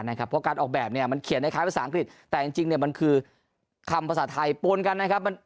เพราะการออกแบบมันเขียนคล้ายภาษาอังกฤษแต่จริงมันคือคำภาษาไทยปวนกันนะครับ